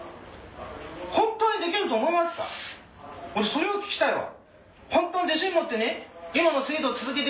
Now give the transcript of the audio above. それを聞きたいわ。